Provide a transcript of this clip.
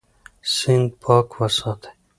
سیند پاک وساتئ.